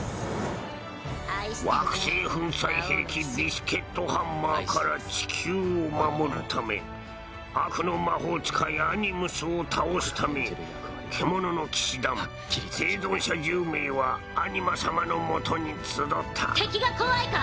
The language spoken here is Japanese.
粉砕兵器ビスケットハンマーから地球を守るため悪の魔法使いアニムスを倒すため獣の騎士団生存者１０名はアニマ様のもとに集った敵が怖いか？